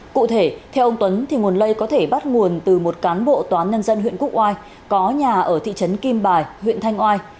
cụ thể theo ông tuấn thì nguồn lây có thể bắt nguồn từ một cán bộ tòa án nhân dân huyện quốc oai có nhà ở thị trấn kim bài huyện thanh oai